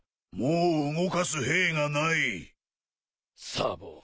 サボ。